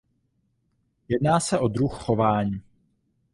Jedná se o druh chování.